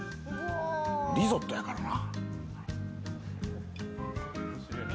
リゾットやからな。